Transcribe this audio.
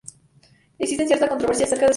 Existe cierta controversia acerca de su origen.